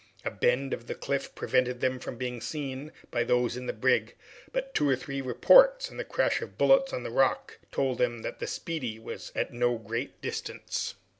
A bend of the cliff prevented them from being seen by those in the brig, but two or three reports, and the crash of bullets on the rock, told them that the "Speedy" was at no great distance.